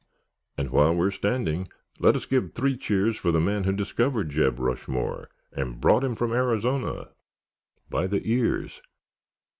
"And while we are standing let us give three cheers for the man who discovered Jeb Rushmore and brought him from Arizona—by the ears.